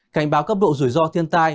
cảnh báo cấp độ rủi ro thiên tai